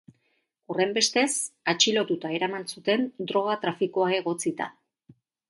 Horrenbestez, atxilotuta eraman zuten, droga-trafikoa egotzita.